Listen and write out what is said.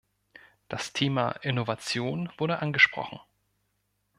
Das Thema Innovation wurde angesprochen.